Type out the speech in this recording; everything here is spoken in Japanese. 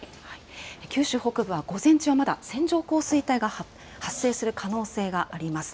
九州北部は午前中はまだ線状降水帯が発生する可能性があります。